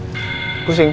kok kepala aku pusing ya